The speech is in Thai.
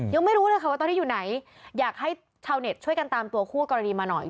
ยังไม่รู้เลยค่ะว่าตอนนี้อยู่ไหนอยากให้ชาวเน็ตช่วยกันตามตัวคู่กรณีมาหน่อย